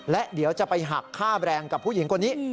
และเดี๋ยวจะไปหักค่าแบรนด์กับผู้หญิงคนนี้